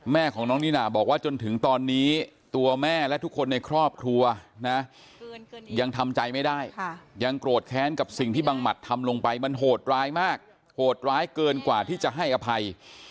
แม่ของน้องนิน่าบอกว่าจนถึงตอนนี้ตัวแม่และทุกคนในครอบครัวนะยังทำใจไม่ได้ยังโกรธแค้นกับสิ่งที่บังหมัดทำลงไปมันโหดร้ายมากโหดร้ายเกินกว่าที่จะให้อภัย